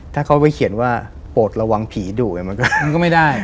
ถ้าเขาไปเขียนว่าโปรดระวังผีดุมันก็ไม่ได้